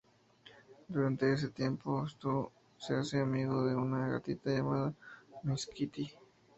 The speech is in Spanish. Durante ese tiempo, Stu se hace amigo de una gatita llamada Miss Kitty.